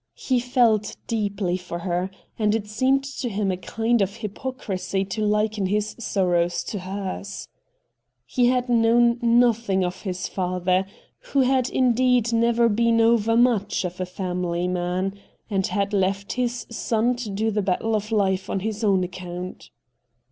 He felt deeply for her, and it seemed to him a kind of hypocrisy to liken his sorrow to hers. He had known nothing of his father, who had indeed never been over much of a family man, and had left his son to do the battle of life on his own account.